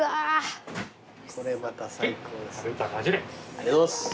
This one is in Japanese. ありがとうございます。